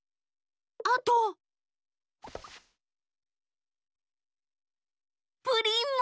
あとプリンも。